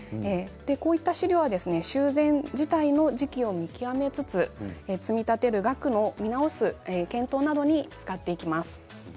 こういった資料は修繕自体の時期を見極めつつ積み立てる額を見直す検討などに使っていきます。